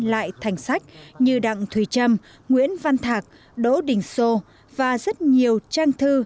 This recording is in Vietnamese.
lại thành sách như đặng thùy trâm nguyễn văn thạc đỗ đình sô và rất nhiều trang thư